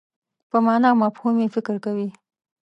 په مانا او مفهوم یې فکر کوي.